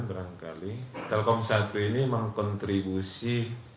berangkali telkom satu ini mengkontribusi